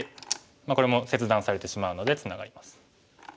これも切断されてしまうのでツナがります。